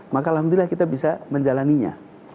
maka alhamdulillah kita bisa menjalannya